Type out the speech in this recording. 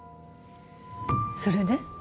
それで？